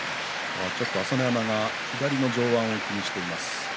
ちょっと朝乃山が左の上腕を気にしています。